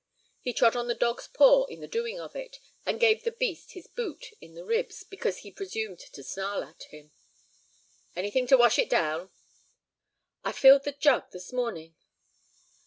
He trod on the dog's paw in the doing of it, and gave the beast his boot in the ribs because he presumed to snarl at him. "Anything to wash it down?" "I filled the jug this morning."